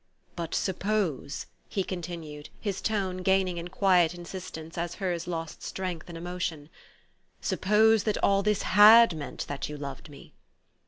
u But suppose," he continued, his tone gaining in quiet insistence as hers lost strength in emotion, " suppose that all this had meant that you loved me?"